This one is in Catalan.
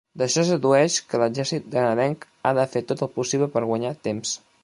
D'això es dedueix que l'exèrcit canadenc ha de fer tot el possible per guanyar temps.